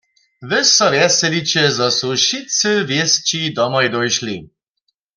Wy so wjeseliće, zo su wšitcy wěsći domoj dóšli.